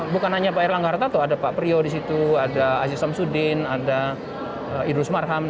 bukan hanya pak erlangga hartato ada pak priyo di situ ada aziz samsudin ada idrus marham